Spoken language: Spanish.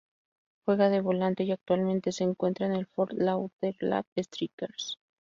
Juega de volante y actualmente se encuentra en el Fort Lauderdale Strikers.